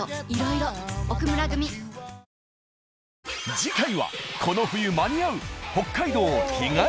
次回はこの冬間に合う！